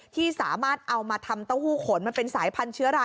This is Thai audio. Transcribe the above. ที่สามารถเอามาทำเต้าหู้ขนมันเป็นสายพันธุรา